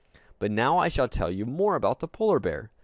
But now I shall tell you more about the polar bear.